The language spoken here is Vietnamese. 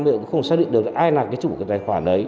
cũng không xác định được ai là cái chủ tài khoản đấy